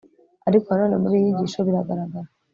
ariko na none muri iyi nyigisho biragaragara